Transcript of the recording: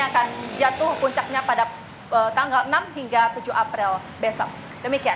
akan jatuh puncaknya pada tanggal enam hingga tujuh april besok demikian